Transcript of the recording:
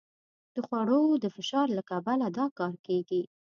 د خوړو د فشار له کبله دا کار کېږي.